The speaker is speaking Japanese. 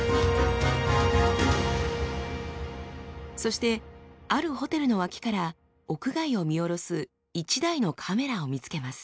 そしてあるホテルの脇から屋外を見下ろす１台のカメラを見つけます。